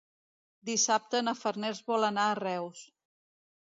Dissabte na Farners vol anar a Reus.